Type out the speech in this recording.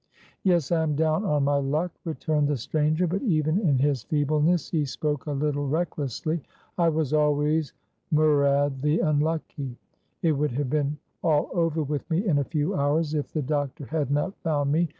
"Yes, I am down on my luck," returned the stranger; but even in his feebleness he spoke a little recklessly; "I was always 'Murad the Unlucky;' it would have been all over with me in a few hours if the doctor had not found me.